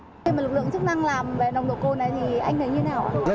lực lượng chức năng làm về nồng độ côn này thì anh thấy như thế nào